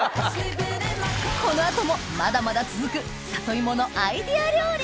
この後もまだまだ続く里芋のアイデア料理！